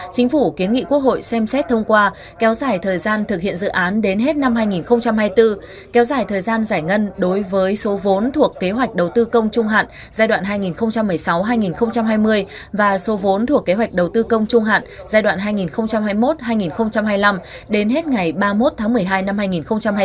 chính phủ kiến nghị quốc hội xem xét thông qua kéo dài thời gian thực hiện dự án đến hết năm hai nghìn hai mươi bốn kéo dài thời gian giải ngân đối với số vốn thuộc kế hoạch đầu tư công trung hạn giai đoạn hai nghìn một mươi sáu hai nghìn hai mươi và số vốn thuộc kế hoạch đầu tư công trung hạn giai đoạn hai nghìn hai mươi một hai nghìn hai mươi năm đến hết ngày ba mươi một tháng một mươi hai năm hai nghìn hai mươi bốn